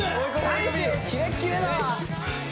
青キレッキレだ！